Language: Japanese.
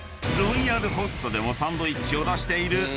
［ロイヤルホストでもサンドイッチを出している］